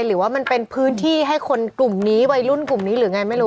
หรือว่ามันเป็นพื้นที่ให้คนกลุ่มนี้วัยรุ่นกลุ่มนี้หรือไงไม่รู้